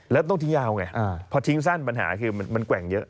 แล้วต้องทิ้งยาวแหง